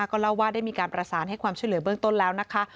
ก็เล่าว่าได้มีการประสานให้ความช่วยเหลือเบื้องต้นแล้วนะคะ